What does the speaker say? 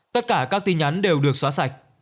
tất cả các tin nhắn đều được xóa sạch